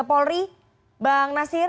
polri bang nasir